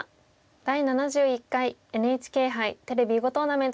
「第７１回ＮＨＫ杯テレビ囲碁トーナメント」です。